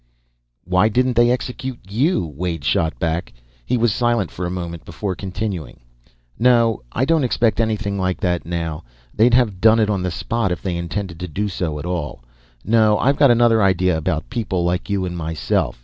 "Why didn't they execute you?" Wade shot back. He was silent for a moment before continuing. "No, I don't expect anything like that, now. They'd have done it on the spot if they intended to do so at all. No, I've got another idea about people like you and myself.